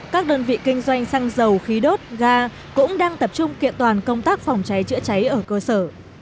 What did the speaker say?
các đơn vị kinh doanh xăng dầu khí đốt ga cũng đang tập trung kiện toàn công tác phòng cháy chữa cháy ở cơ sở